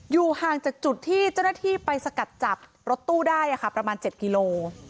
ห่างจากจุดที่เจ้าหน้าที่ไปสกัดจับรถตู้ได้ประมาณ๗กิโล